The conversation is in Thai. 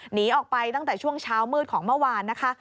หนีออกไปตั้งแต่ช่วงเช้ามืดของเมื่อวานนะคะ